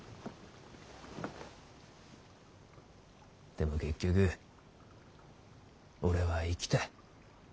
でも結局俺は生きた。